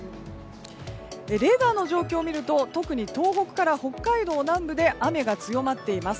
レーダーの状況を見ると特に東北から北海道南部で雨が強まっています。